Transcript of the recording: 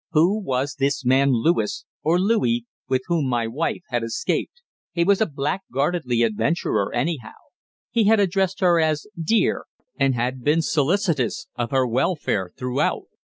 Who was this man Lewis or Louis with whom my wife had escaped? He was a blackguardly adventurer, anyhow. He had addressed her as "dear," and had been solicitous of her welfare throughout!